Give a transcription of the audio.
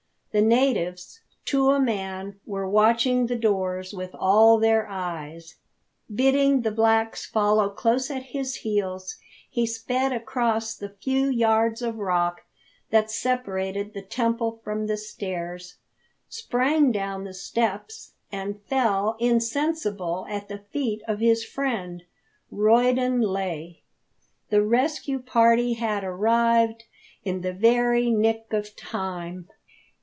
The natives, to a man, were watching the doors with all their eyes. Bidding the blacks follow close at his heels, he sped across the few yards of rock that separated the temple from the stairs, sprang down the steps, and fell insensible at the feet of his friend, Roydon Leigh. The rescue party had arrived in the very nick of time.